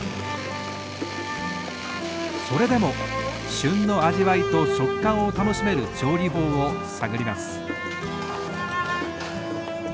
それでも旬の味わいと食感を楽しめる調理法を探ります。